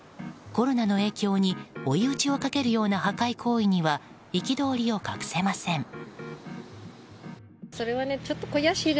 コロナの影響に追い打ちをかけるような破壊行為には憤りを隠せません。